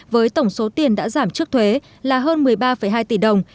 với tổng số tiền đã giảm trước thuế là hơn một mươi ba hai tỷ đồng